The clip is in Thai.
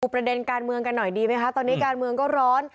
ประเด็นการเมืองกันหน่อยดีไหมคะตอนนี้การเมืองก็ร้อน